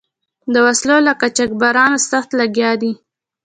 د وسلو له قاچبرانو سخت لګیا دي.